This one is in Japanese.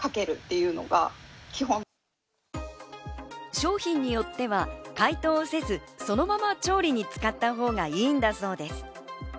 商品によっては解凍せず、そのまま調理に使ったほうがいいんだそうです。